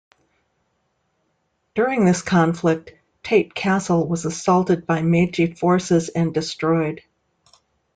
During this conflict, Tate castle was assaulted by Meiji forces and destroyed.